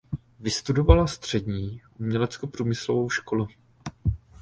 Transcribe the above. Vystudovala střední uměleckoprůmyslovou školu.